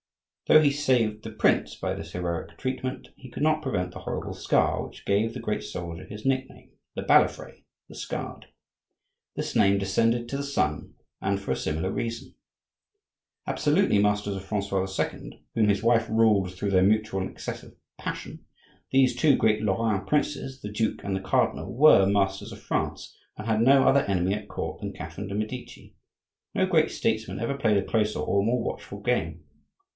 Though he saved the prince by this heroic treatment, he could not prevent the horrible scar which gave the great soldier his nickname,—Le Balafre, the Scarred. This name descended to the son, and for a similar reason. Absolutely masters of Francois II., whom his wife ruled through their mutual and excessive passion, these two great Lorrain princes, the duke and the cardinal, were masters of France, and had no other enemy at court than Catherine de' Medici. No great statesmen ever played a closer or more watchful game.